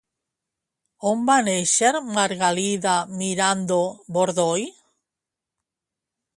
On va néixer Margalida Mirando Bordoy?